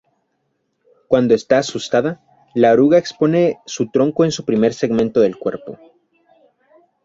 Cuando está asustada, la oruga expone su tronco en su primer segmento del cuerpo.